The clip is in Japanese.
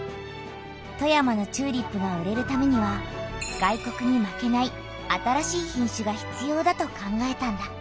富山のチューリップが売れるためには外国に負けない新しい品種が必要だと考えたんだ。